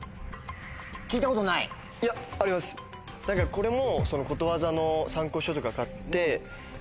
これも。